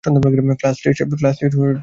Class list দেখছিলাম।